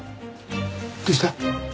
どうした？